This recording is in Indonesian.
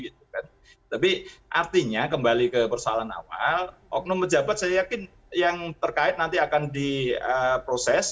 tapi artinya kembali ke persoalan awal oknum pejabat saya yakin yang terkait nanti akan diproses